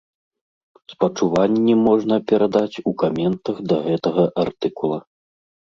Спачуванні можна перадаць у каментах да гэтага артыкула.